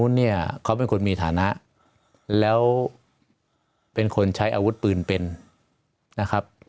เขาเป็นคนมีฐานะแล้วเป็นคนใช้อาวุธปืนเป็นนะครับ